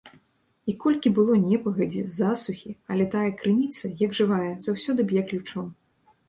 І колькі было непагадзі, засухі, але тая крыніца, як жывая, заўсёды б'е ключом.